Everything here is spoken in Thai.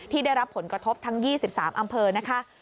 ได้รับผลกระทบทั้ง๒๓อำเภอนะคะ